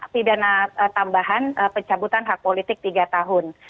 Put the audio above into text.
pidana tambahan pencabutan hak politik tiga tahun